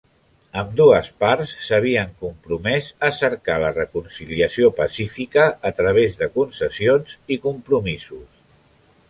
Ambdues parts s'havien compromès a cercar la reconciliació pacífica a través de concessions i compromisos.